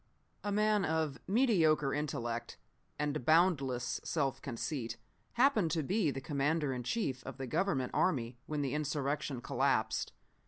"A man of mediocre intellect and boundless self conceit happened to be the commander in chief of the government army when the insurrection collapsed.